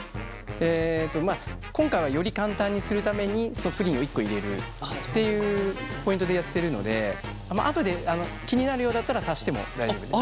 えっと今回はより簡単にするためにプリンを１個入れるっていうポイントでやってるので後で気になるようだったら足しても大丈夫です。